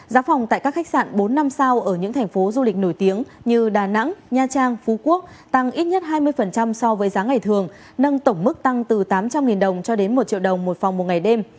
giá phòng tại các khách sạn bốn năm sao ở những thành phố du lịch nổi tiếng như đà nẵng nha trang phú quốc tăng ít nhất hai mươi so với giá ngày thường nâng tổng mức tăng từ tám trăm linh đồng cho đến một triệu đồng một phòng một ngày đêm